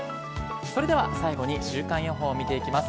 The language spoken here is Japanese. それでは最後に週間予報を見ていきます。